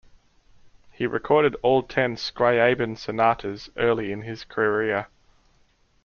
He recorded all ten Scriabin sonatas early in his career.